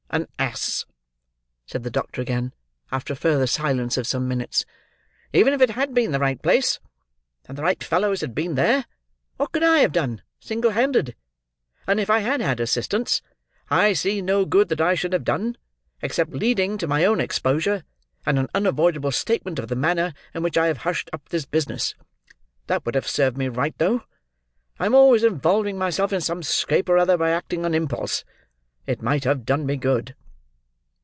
"An ass," said the doctor again, after a further silence of some minutes. "Even if it had been the right place, and the right fellows had been there, what could I have done, single handed? And if I had had assistance, I see no good that I should have done, except leading to my own exposure, and an unavoidable statement of the manner in which I have hushed up this business. That would have served me right, though. I am always involving myself in some scrape or other, by acting on impulse. It might have done me good."